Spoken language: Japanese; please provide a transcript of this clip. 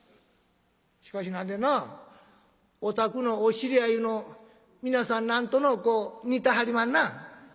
しかし何でんなぁお宅のお知り合いゆうの皆さん何とのうこう似てはりまんな。